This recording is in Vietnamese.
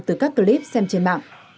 từ các clip xem trên mạng